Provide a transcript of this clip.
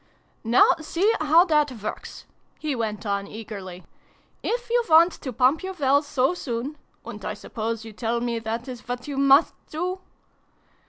" Now see how that works !" he went on eagerly. "If you want to pump your wells so soon and I suppose you tell me that is what you must do